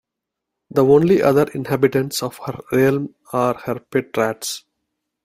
The only other inhabitants of her realm are her pet rats.